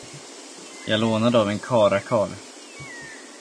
Jag lånade av en karlakarl.